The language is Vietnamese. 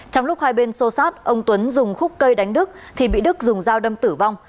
trong lúc hai bên xô xát ông tuấn dùng khúc cây đánh đức thì bị đức dùng dao đâm tử vong